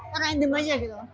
pakai random aja gitu